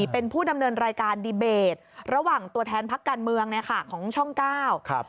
เป็นผู้ดำเนินรายการดีเบตระหว่างตัวแทนพักการเมืองเนี่ยค่ะของช่องเก้าครับ